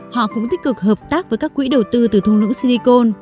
họ cũng tích cực hợp tác với các quỹ đầu tư từ thu lũ silicon